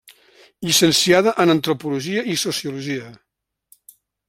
Llicenciada en antropologia i sociologia.